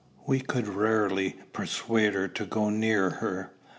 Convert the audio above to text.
We could rarely persuade her to go near her.